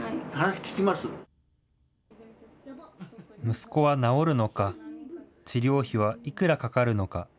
息子は治るのか、治療費はいくらかかるのか。